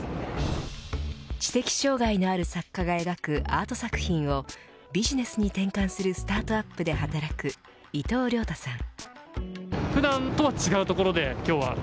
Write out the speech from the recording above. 知的障害のある作家が描くアート作品をビジネスに転換するスタートアップで働く伊藤良太さん。